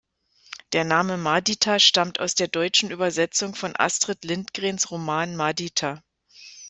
Der Name Madita stammt aus der deutschen Übersetzung von Astrid Lindgrens Roman Madita.